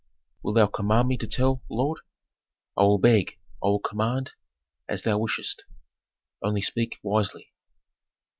"Wilt thou command me to tell, lord?" "I will beg, I will command, as thou wishest. Only speak wisely."